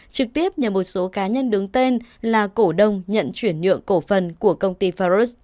trực tiếp nhờ một số cá nhân đứng tên là cổ đông nhận chuyển nhượng cổ phần của công ty faros